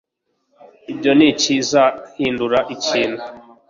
ibyo ntibizahindura ikintu